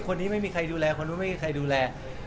คนนี้ไม่มีใครดูแลคนนู้นไม่มีใครดูแล